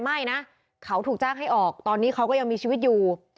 ไม่นะเขาถูกจ้างให้ออกตอนนี้เขาก็ยังมีชีวิตอยู่